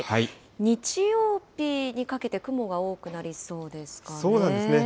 日曜日にかけて雲が多くなりそうそうなんですね。